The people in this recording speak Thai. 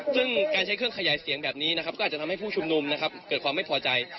ซึ่งการใช้เครื่องขยายเสียงแบบนี้นะครับก็อาจจะทำให้ผู้ชุมนุมนะครับเกิดความไม่พอใจ